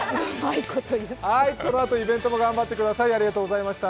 このあとイベントも頑張ってください。